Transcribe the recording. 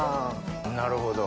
なるほど。